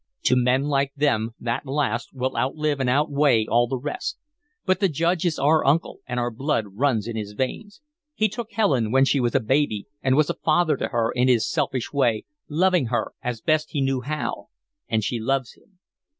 To men like them that last will outlive and outweigh all the rest; but the Judge is our uncle and our blood runs in his veins. He took Helen when she was a baby and was a father to her in his selfish way, loving her as best he knew how. And she loves him."